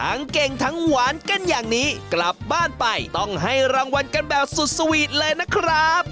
เก่งทั้งหวานกันอย่างนี้กลับบ้านไปต้องให้รางวัลกันแบบสุดสวีทเลยนะครับ